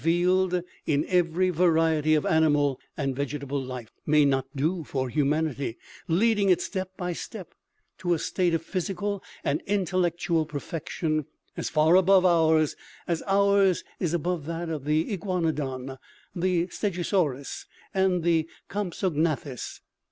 709 vealed in every variety of animal and vegetable life, may not do for humanity, leading it, step by step, to a state of physical and intellectual perfection as far above ours, as ours is above that of the ignuanodon, the stegosaurus and the compsognathus